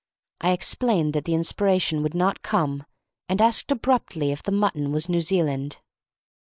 I explained that the inspiration would not come, and asked abruptly if the mutton was New Zealand.